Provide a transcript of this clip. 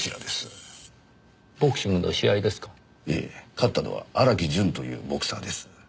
勝ったのは荒木淳というボクサーです。